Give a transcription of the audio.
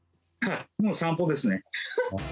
もう散歩ですね。